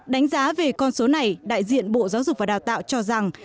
đánh giá về con số này đại diện bộ giáo dục và đào tạo cho rằng